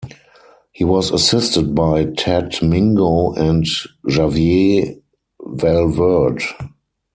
He was assisted by Tadd Mingo, and Javier Valeverde.